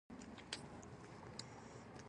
تر دوهسوه کلونو امریکایي ماشومان یې زده کوي.